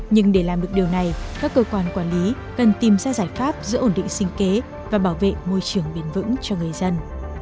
nhưng để làm được điều này các cơ quan quản lý cần tìm ra giải pháp giữa ổn định sinh kế và bảo vệ môi trường bền vững cho người dân